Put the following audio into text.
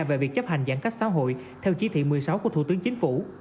về việc chấp hành giãn cách xã hội theo chỉ thị một mươi sáu của thủ tướng chính phủ